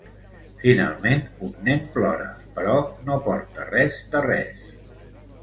Finalment, un nen plora, però no porta res de res.